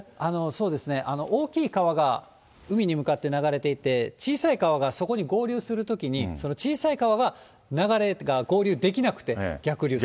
そうですね、大きい川が海に向かって流れていて、小さい川がそこに合流するときに、その小さい川が流れが合流できなくて逆流する。